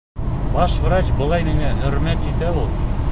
Баш врач былай мине хөрмәт итә ул...